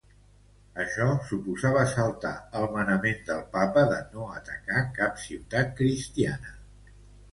Això suposava saltar el manament del papa de no atacar cap ciutat cristiana.